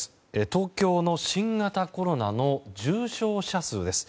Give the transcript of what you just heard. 東京の新型コロナの重症者数です。